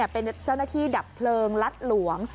เป็นเจ้าหน้าที่ดับเพลิงลัดหลวง